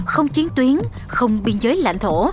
không chiến tuyến không biên giới lãnh thổ